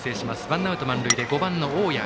ワンアウト満塁で５番の大矢。